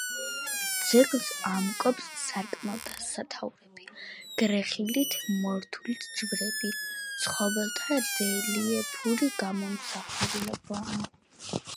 ძეგლს ამკობს სარკმელთა სათაურები, გრეხილით მორთული ჯვრები, ცხოველთა რელიეფური გამოსახულებანი.